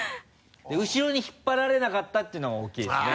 後ろに引っ張られなかったていうのが大きいですね。